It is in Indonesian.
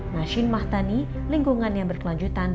nashin mahtani lingkungan yang berkelanjutan